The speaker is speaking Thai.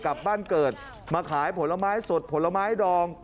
กลับบ้านเกิดมาขายผลไม้สดผลไม้ดอง